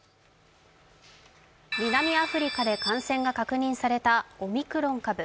南アフリカで感染が確認されたオミクロン株。